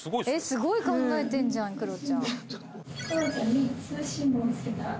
すごい考えてんじゃんクロちゃん。